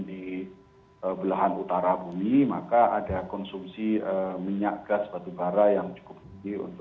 jadi belahan utara bumi maka ada konsumsi minyak gas batubara yang cukup tinggi